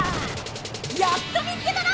やっと見つけたな！